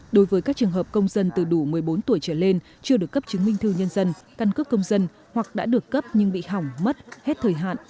đối với các trường hợp công dân từ đủ một mươi bốn tuổi trở lên chưa được cấp chứng minh thư nhân dân căn cước công dân hoặc đã được cấp nhưng bị hỏng mất hết thời hạn